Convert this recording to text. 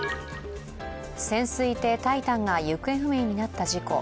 潜水艇「タイタン」が行方不明になった事故。